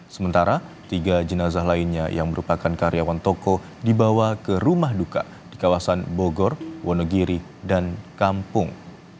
sementara tiga jenazah lainnya yang merupakan karyawan toko dibawa ke rumah duka di kawasan bogor wonogiri dan kampung